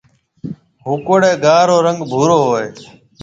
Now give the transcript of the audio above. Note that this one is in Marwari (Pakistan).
هوڪوڙيَ گها رو رنگ ڀورو هوئي هيَ۔